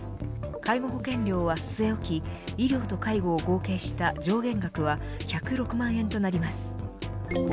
介護保険料は据え置き医療と介護を合計した上限額は１０６万円となります。